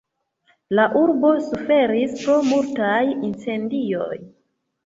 La urbo suferis pro multaj incendioj.